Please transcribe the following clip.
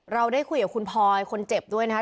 เราได้คุยกับคุณพลอยคนเจ็บด้วยนะครับ